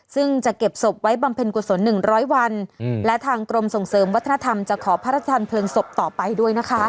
ซึ่งจะเก็บศพไว้บำเพ็ญกุศล๑๐๐วันและทางกรมส่งเสริมวัฒนธรรมจะขอพระราชทานเพลิงศพต่อไปด้วยนะคะ